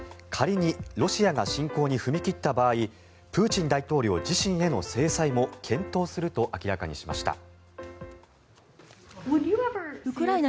仮にロシアが侵攻に踏み切った場合プーチン大統領自身への制裁も検討すると明らかにしました。